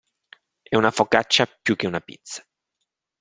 È una focaccia più che una pizza.